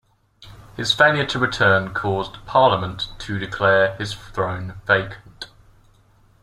His failure to return caused Parliament to declare his throne vacant.